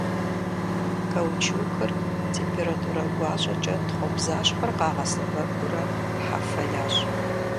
Каучукыр температурэ гуащӏэкӏэ тхъуэбзащхъуэр къагъэсэбэпурэ хьэфэ ящӏ.